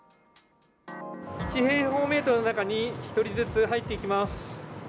１平方メートルの中に１人ずつ入っていきます。